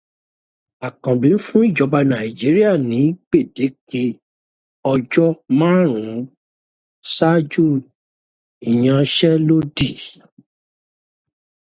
Àkànbí fún ìjọba Nàìjíríà ní gbèdéke ọjọ́ márùn-ún ṣáájú ìyanṣẹ́lódì